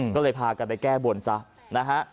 ก็เลยพากันไปแก้บนซะนะฮะ